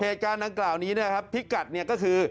เพจานั้นกล่าวนี้นะครับพิกัดเนี่ยก็คือ